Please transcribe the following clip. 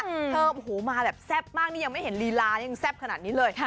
เธอมาแบบแซ่บมากยังไม่เห็นลีลาอย่างแซ่บขนาดนี้เลย